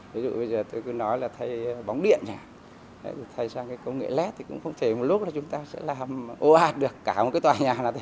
ví dụ bây giờ tôi cứ nói là thay bóng điện thay sang công nghệ led thì cũng không thể một lúc là chúng ta sẽ làm ô hạt được cả một tòa nhà